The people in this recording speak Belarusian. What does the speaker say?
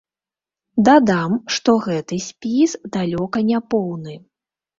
Дадам, што гэты спіс далёка не поўны.